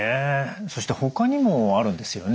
そしてほかにもあるんですよね？